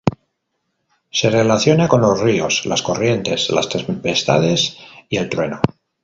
Se relaciona con los ríos, las corrientes, las tempestades y el trueno.